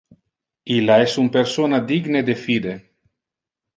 Illa es un persona digne de fide.